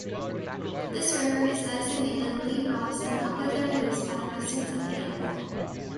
This river is designated "Le Bras" in popular use by residents of the area.